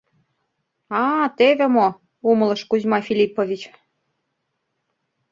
— А, теве мо! — умылыш Кузьма Филиппович.